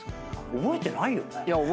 覚えてないです。